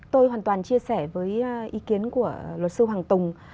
tôi hoàn toàn chia sẻ với ý kiến của luật sư hoàng tùng